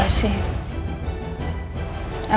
aku harus bikin perasaan mas al